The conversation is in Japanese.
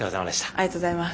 ありがとうございます。